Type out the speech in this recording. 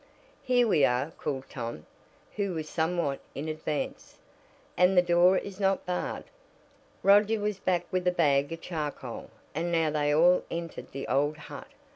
"Here we are," called Tom, who was somewhat in advance. "And the door is not barred." Roger was back with the bag of charcoal, and now they all entered the old hut.